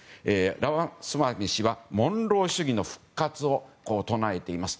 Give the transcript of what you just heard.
ラマスワミ氏はモンロー主義の復活を唱えています。